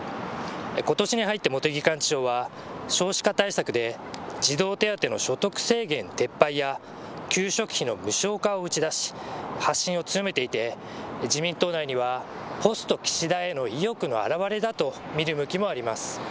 ことしに入って茂木幹事長は少子化対策で児童手当の所得制限撤廃や給食費の無償化を打ち出し発信を強めていて自民党内にはポスト岸田への意欲の表れだと見る向きもあります。